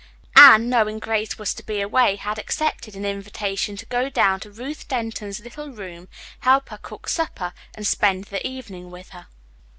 Anne, knowing Grace was to be away, had accepted an invitation to go down to Ruth Denton's little room, help her cook supper, and spend the evening with her.